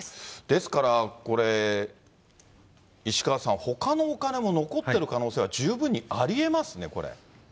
ですから、これ、石川さん、ほかのお金も残ってる可能性が十分にありえますね、これ。